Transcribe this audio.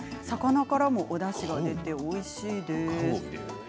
魚からも、おだしが出てとてもおいしいです。